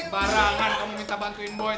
barangan kamu minta bantuin boy